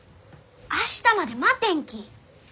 明日まで待てんき！